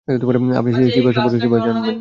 আপনি সিপিআর সম্পর্কে কিভাবে জানেন?